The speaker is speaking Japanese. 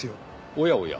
おやおや。